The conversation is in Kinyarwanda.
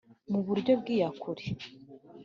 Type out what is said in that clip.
mu buryo bw iyakure